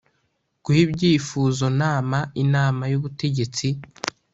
guha ibyifuzo nama inama y ubutegetsi